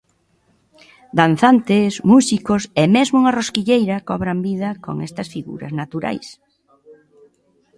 Danzantes, músicos e mesmo unha rosquilleira cobran vida con estas figuras naturais.